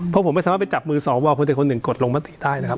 เพราะผมไม่สามารถไปจับมือสวคนใดคนหนึ่งกดลงมติได้นะครับ